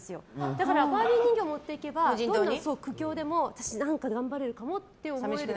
だから、バービー人形を持っていけばどんな苦境でも私は頑張れると思える。